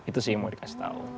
itu sih yang mau dikasih tahu